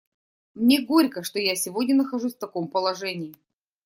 Мне горько, что я сегодня нахожусь в таком положении.